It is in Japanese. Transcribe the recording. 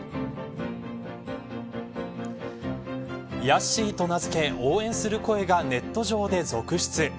ヤッシーと名付け応援する声がネット上で続出。